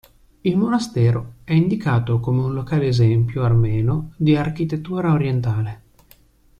Il monastero è indicato come un locale esempio armeno di architettura orientale.